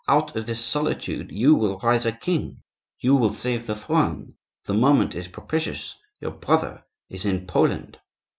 Out of this solitude you will rise a king; you will save the throne. The moment is propitious; your brother is in Poland."